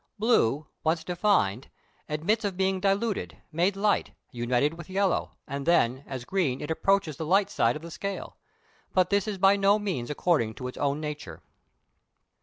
Blue once defined, admits of being diluted, made light, united with yellow, and then, as green, it approaches the light side of the scale: but this is by no means according to its own nature.